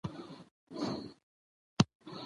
د زده کوونکو منظم کښينول،